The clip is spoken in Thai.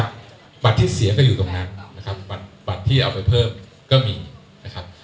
บัตรที่เสียก็อยู่ตรงนั้นนะครับบัตรที่เอาไปเพิ่มก็มีนะครับ